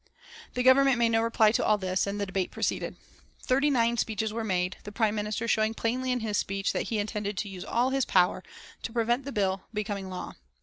The Government made no reply at all to this, and the debate proceeded. Thirty nine speeches were made, the Prime Minister showing plainly in his speech that he intended to use all his power to prevent the bill becoming law.